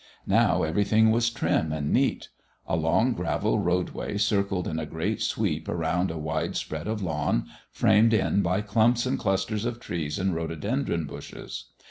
Now everything was trim and neat. A long gravel roadway circled in a great sweep around a wide spread of lawn, framed in by clumps and clusters of trees and rhododendron bushes.